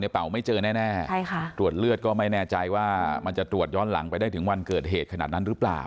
เป่าไม่เจอแน่ใช่ค่ะตรวจเลือดก็ไม่แน่ใจว่ามันจะตรวจย้อนหลังไปได้ถึงวันเกิดเหตุขนาดนั้นหรือเปล่า